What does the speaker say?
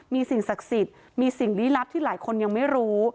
มีสิ่งศักดิ์สิทธิ์มีสิ่งลี้ลับที่หลายคนยังไม่รู้